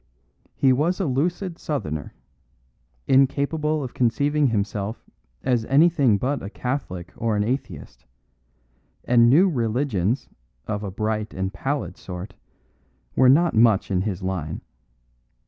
He was a lucid Southerner, incapable of conceiving himself as anything but a Catholic or an atheist; and new religions of a bright and pallid sort were not much in his line.